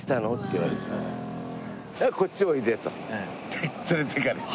こっちおいでと連れて行かれて。